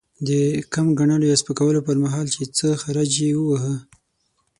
د کم ګڼلو يا سپکولو پر مهال؛ چې څه خرج يې وواهه.